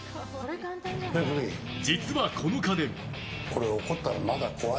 実は、この家電。